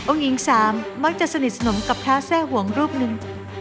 หญิงสามมักจะสนิทสนมกับพระแทร่ห่วงรูปหนึ่ง